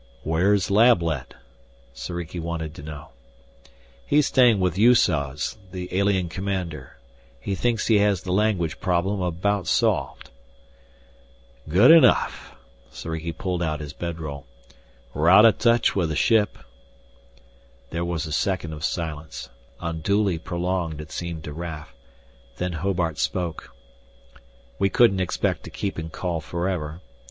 "Where's Lablet?" Soriki wanted to know. "He's staying with Yussoz, the alien commander. He thinks he has the language problem about solved." "Good enough." Soriki pulled out his bed roll. "We're out of touch with the ship " There was a second of silence, unduly prolonged it seemed to Raf. Then Hobart spoke: "We couldn't expect to keep in call forever.